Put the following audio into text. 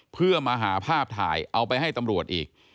เพื่อมาหาภาพถ่ายเอาไปให้ตำรวจอีก